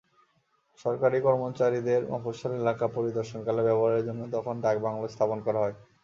সরকারি কর্মচারীদের মফস্বল এলাকা পরিদর্শনকালে ব্যবহারের জন্য তখন ডাকবাংলো স্থাপন করা হয়।